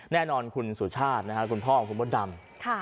แน่นอนคุณสุชาตินะครับคุณพ่อของคุณมดดำ